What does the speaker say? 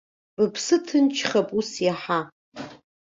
Быԥсы ҭынчхап ус иаҳа!